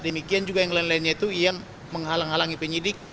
demikian juga yang lain lainnya itu yang menghalangi penyidik